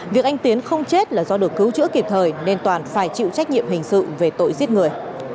việc anh tiến không chết là do được cứu chữa kịp thời nên toàn phải chịu trách nhiệm hình sự về tội giết người